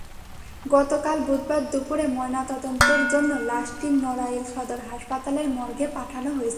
গতকাল বুধবার দুপুরে ময়নাতদন্তের জন্য লাশটি নড়াইল সদর হাসপাতালের মর্গে পাঠানো হয়েছে।